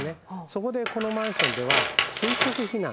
そこでこのマンションでは垂直避難。